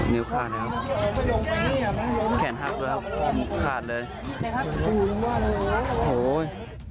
นิ้วขาดแล้วแขนฮับแล้วขาดเลย